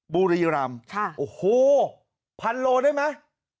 บุรีรำโอ้โหพันโลได้ไหม